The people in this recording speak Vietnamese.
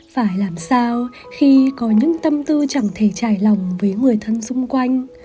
phải làm sao khi có những tâm tư chẳng thể trải lòng với người thân xung quanh